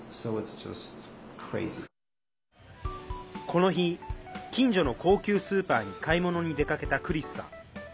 この日、近所の高級スーパーに買い物に出かけたクリスさん。